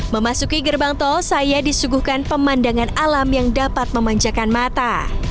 memasuki gerbang tol saya disuguhkan pemandangan alam yang dapat memanjakan mata